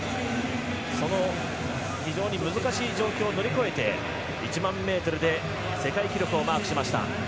その難しい状況を乗り越えて１００００ｍで世界記録をマークしました。